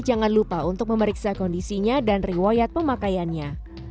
jangan lupa untuk memeriksa kondisinya dan riwayat pemakaiannya